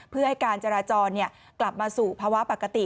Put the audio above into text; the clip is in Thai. เพื่อให้การจราจรกลับมาสู่ภาวะปกติ